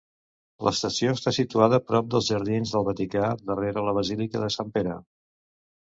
L'estació està situada prop dels Jardins del Vaticà, darrere la basílica de Sant Pere.